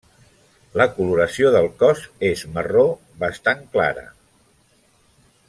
La coloració del cos és marró bastant clara.